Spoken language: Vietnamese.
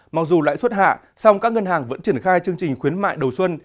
mặc dù lãi suất hạ song các ngân hàng vẫn triển khai chương trình khuyến mại đầu xuân